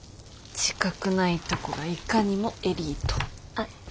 自覚ないとこがいかにもエリート。